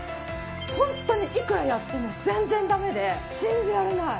ホントにいくらやっても全然ダメで信じられない！